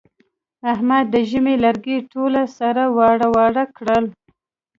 احمد د ژمي لرګي ټول سره واړه واړه کړل.